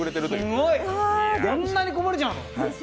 こんなにこぼれちゃうの！？